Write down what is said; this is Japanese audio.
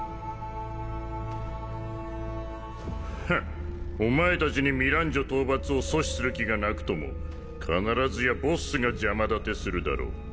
フンお前たちにミランジョ討伐を阻止する気がなくとも必ずやボッスが邪魔立てするだろう。